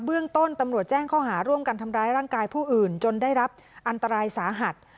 เรื่องต้นตำรวจแจ้งข้อหาร่วมกันทำร้ายร่างกายผู้อื่นจนได้รับอันตรายสาหัส